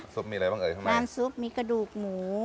ซุปมีอะไรบ้างเอ๋ยใช่ไหมครับแม่ล้ำซุปมีกระดูกหมู